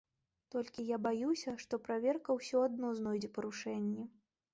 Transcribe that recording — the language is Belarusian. Толькі я баюся, што праверка ўсё адно знойдзе парушэнні.